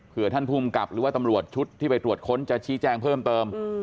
เพื่อท่านภูมิกับหรือว่าตำรวจชุดที่ไปตรวจค้นจะชี้แจงเพิ่มเติม